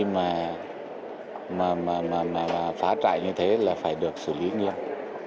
mà phá trại như thế là phải được xử lý nghiêm